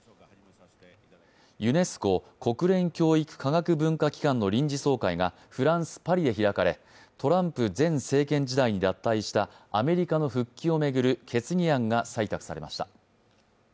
ユネスコ＝国連教育科学文化機関の臨時総会がフランス・パリで開かれトランプ前政権時代に脱退したアメリカの復帰を巡る決議案が採択されました。